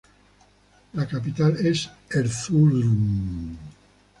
La capital es Erzurum.